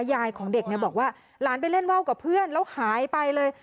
ยายของเด็กบอกว่าหลานไปเล่นว่าวกับเพื่อนแล้วหายไปเลย